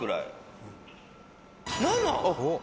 ７！